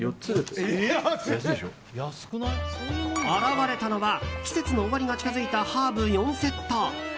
現れたのは季節の終わりが近づいたハーブ４セット。